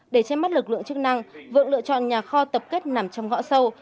để chém mắt lực lượng chức năng vượng lựa chọn nhà kho tập kết nằm trong gõ sâu